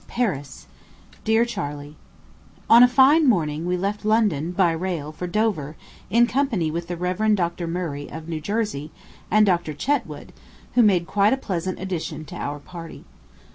PARIS. DEAR CHARLEY: On a fine morning we left London, by rail, for Dover, in company with the Rev. Dr. Murray, of New Jersey, and Dr. Chetwood, who made quite a pleasant addition to our party.